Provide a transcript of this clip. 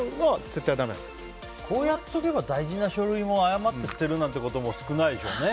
こうやっとけば大事な書類を誤って捨てるなんてことも少ないですよね。